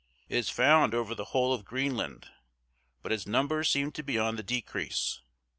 It is found over the whole of Greenland; but its numbers seem to be on the decrease.